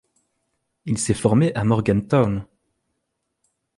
Il s'est formé à Morgantown.